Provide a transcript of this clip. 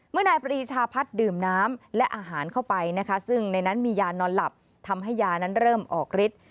นายปรีชาพัฒน์ดื่มน้ำและอาหารเข้าไปนะคะซึ่งในนั้นมียานอนหลับทำให้ยานั้นเริ่มออกฤทธิ์